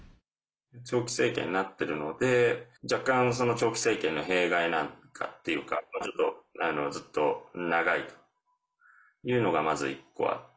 長期政権になっているので若干その長期政権の弊害というかずっと長いというのがまず１個あって。